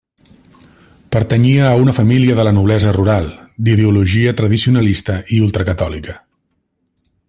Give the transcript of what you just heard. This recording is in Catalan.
Pertanyia a una família de la noblesa rural, d'ideologia tradicionalista i ultracatòlica.